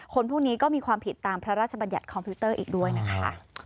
คนพวกนี้ก็มีความผิดตามพระราชบัญญัติคอมพิวเตอร์อีกด้วยนะคะ